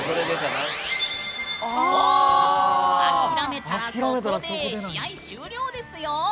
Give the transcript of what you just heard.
「あきらめたらそこで試合終了ですよ？」。